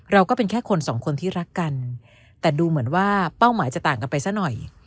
เราก็เป็นแค่คนสองคนที่รักกันแต่ดูเหมือนว่าเป้าหมายจะต่างกันไปซะหน่อย